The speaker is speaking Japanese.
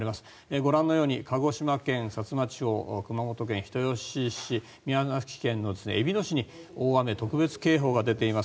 ご覧のように鹿児島県の薩摩地方熊本県人吉市宮崎県えびの市に大雨特別警報が出ています。